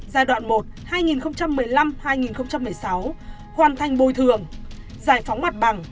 giai đoạn một hai nghìn một mươi năm hai nghìn một mươi sáu hoàn thành bồi thường giải phóng mặt bằng